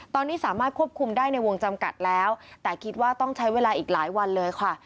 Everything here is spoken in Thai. ตอนนี้สามารถควบคุมได้ในวงจำกัดแล้วแต่คิดว่าต้องใช้เวลาอีกหลายวันเลยค่ะ